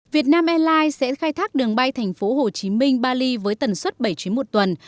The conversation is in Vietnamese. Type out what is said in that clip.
vietnam airlines sẽ khai thác đường bay thành phố hồ chí minh bali với tần suất bảy chuyến một tuần